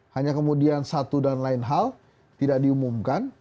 hanya kemudian satu dan lain hal tidak diumumkan